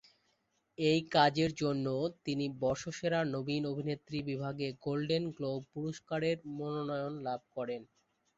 এই কাজের জন্য তিনি বর্ষসেরা নবীন অভিনেত্রী বিভাগে গোল্ডেন গ্লোব পুরস্কারের মনোনয়ন লাভ করেন।